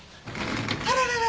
あららら！